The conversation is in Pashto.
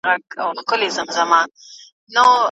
ولس دولت پردی ځواک باله.